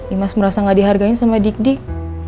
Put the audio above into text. imas merasa gak dihargai sama dik dik